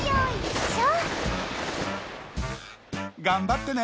がんばってね！